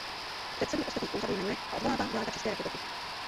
Předsedy ostatních úřadů jmenuje a odvolává vláda České republiky.